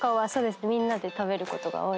みんなで食べることが多いですね。